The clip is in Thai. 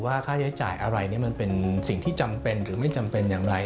ค่าใช้จ่ายอะไรมันเป็นสิ่งที่จำเป็นหรือไม่จำเป็นอย่างไร